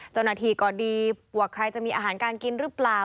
เจ้าหน้าที่ก็ดีว่าใครจะมีอาหารการกินหรือเปล่า